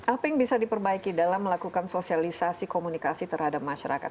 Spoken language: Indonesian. apa yang bisa diperbaiki dalam melakukan sosialisasi komunikasi terhadap masyarakat